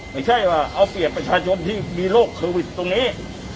ไม่ใช่ว่าเอาเปรียบประชาชนที่มีโรคโควิดตรงนี้